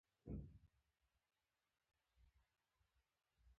د افغانستان سیندونه د غرنیو سیمو له واورو او بارانونو څخه سرچینه اخلي.